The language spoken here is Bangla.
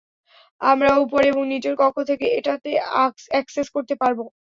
আমরা উপরে এবং নীচের কক্ষ থেকে এটাতে অ্যাক্সেস করতে পারবো।